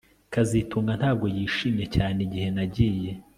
kazitunga ntabwo yishimye cyane igihe nagiye